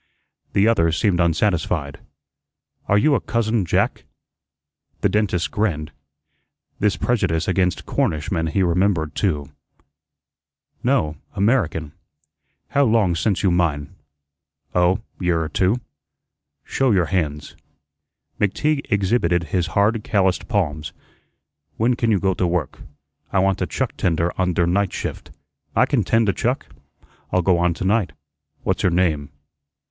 The other seemed unsatisfied. "Are you a 'cousin Jack'?" The dentist grinned. This prejudice against Cornishmen he remembered too. "No. American." "How long sence you mine?" "Oh, year or two." "Show your hends." McTeague exhibited his hard, callused palms. "When ken you go to work? I want a chuck tender on der night shift." "I can tend a chuck. I'll go on to night." "What's your name?"